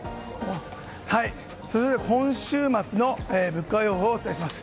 今週末の物価予報をお伝えします。